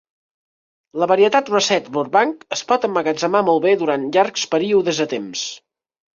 La varietat Russet Burbank es pot emmagatzemar molt bé durant llargs períodes de temps.